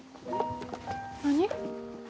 何？